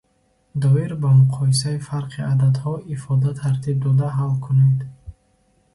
Доир ба муқоисаи фарқи ададҳо ифода тартиб дода ҳал кунед.